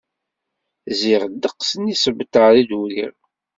Ziɣ ddeqs n yisebtar i d-uriɣ.